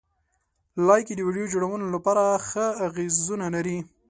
لایکي د ویډیو جوړونې لپاره ښه اغېزونه لري.